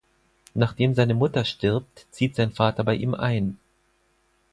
Nachdem seine Mutter stirbt, zieht sein Vater bei ihm ein.